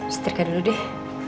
nyetrika dulu deh